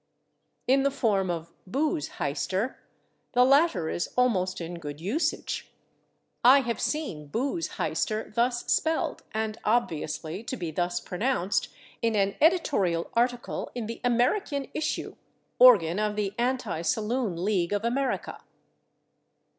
In the form of /booze hister/, the latter is almost in good usage. I have seen /booze hister/ thus spelled and obviously to be thus pronounced, in an editorial article in the /American Issue/, organ of the Anti Saloon League of America.